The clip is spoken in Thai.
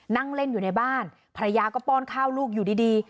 นั่งเล่นอยู่ในบ้านภรรยาก็ป้อนข้าวลูกอยู่ดี